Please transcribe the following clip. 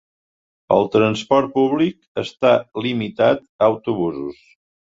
El transport públic està limitat a autobusos.